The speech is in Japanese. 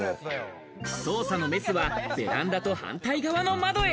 捜査のメスはベランダと反対側の窓へ。